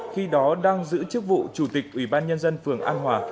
khi đó đang giữ chức vụ chủ tịch ủy ban nhân dân phường an hòa